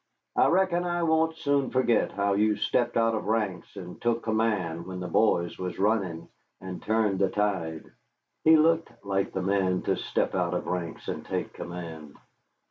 "I reckon I won't soon forget how you stepped out of ranks and tuk command when the boys was runnin', and turned the tide." He looked like the man to step out of ranks and take command.